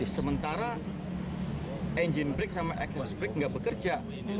sementara engine brake sama access brake tidak bekerja